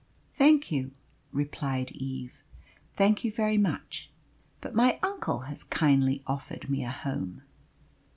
"Thank you," replied Eve. "Thank you very much, but my uncle has kindly offered me a home."